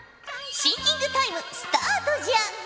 シンキングタイムスタートじゃ。